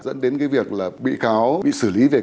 dẫn đến cái việc là bị cáo bị xử lý về